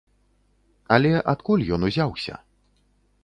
Але адкуль ён узяўся?